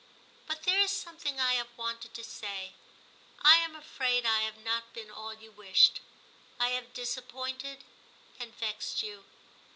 But there is something I have wanted to say. I am afraid I have not been all you wished ; I have disappointed and vexed you.